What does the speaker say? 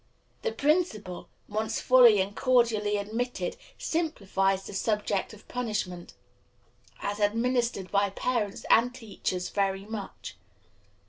This principle, once fully and cordially admitted, simplifies the subject of punishment, as administered by parents and teachers, very much.